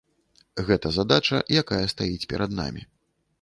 Гэта задача, якая стаіць перад намі.